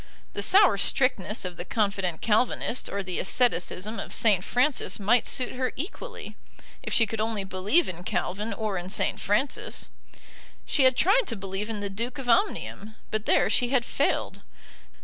The sour strictness of the confident Calvinist or the asceticism of St. Francis might suit her equally, if she could only believe in Calvin or in St. Francis. She had tried to believe in the Duke of Omnium, but there she had failed.